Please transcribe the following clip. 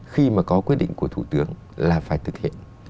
khi mà có quyết định của thủ tướng là phải thực hiện